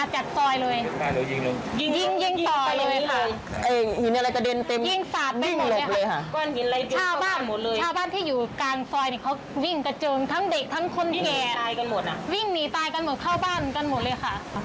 ชาวบ้านที่อยู่กลางซอยก็เขาวิ่งกระเจิงทั้งเด็กทั้งคนแขก